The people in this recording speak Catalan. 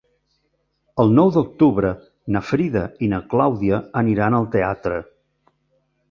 El nou d'octubre na Frida i na Clàudia aniran al teatre.